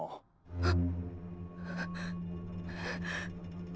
あっ？